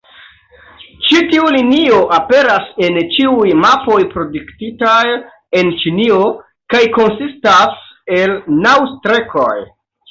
Ĉi tiu linio aperas en ĉiuj mapoj produktitaj en Ĉinio, kaj konsistas el naŭ-strekoj.